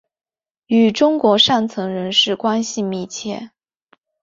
与中国上层人士关系密切。